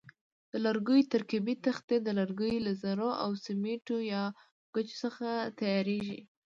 د لرګیو ترکیبي تختې د لرګیو له ذرو او سیمټو یا ګچو څخه تیاریږي.